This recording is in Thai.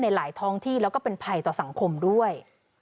หลายท้องที่แล้วก็เป็นภัยต่อสังคมด้วย